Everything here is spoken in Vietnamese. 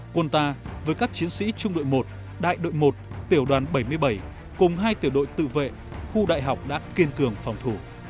quân ta với các chiến sĩ trung đội một đại đội một tiểu đoàn bảy mươi bảy cùng hai tiểu đội tự vệ khu đại học đã kiên cường phòng thủ